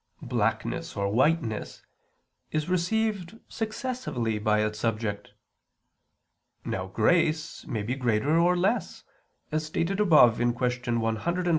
blackness or whiteness, is received successively by its subject. Now grace may be greater or less, as stated above (Q. 112, A. 4).